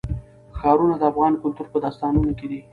ښارونه د افغان کلتور په داستانونو کې دي.